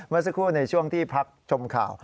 เมื่อสักครู่ในช่วงที่พักชมข่าว